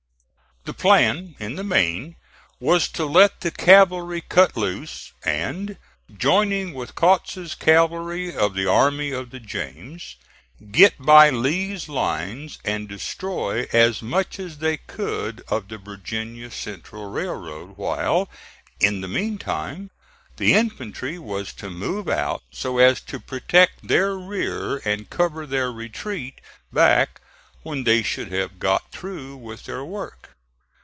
The plan, in the main, was to let the cavalry cut loose and, joining with Kautz's cavalry of the Army of the James, get by Lee's lines and destroy as much as they could of the Virginia Central Railroad, while, in the mean time, the infantry was to move out so as to protect their rear and cover their retreat back when they should have got through with their work.